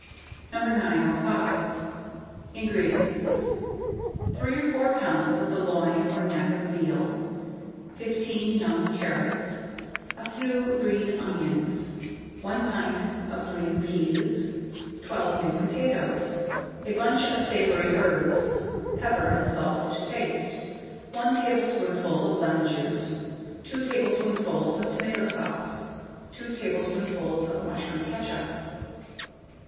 905. INGREDIENTS. 3 or 4 lbs. of the loin or neck of veal, 15 young carrots, a few green onions, 1 pint of green peas, 12 new potatoes, a bunch of savoury herbs, pepper and salt to taste, 1 tablespoonful of lemon juice, 2 tablespoonfuls of tomato sauce, 2 tablespoonfuls of mushroom ketchup.